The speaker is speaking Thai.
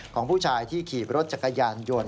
ของผู้ชายที่ขี่รถจักรยานยนต์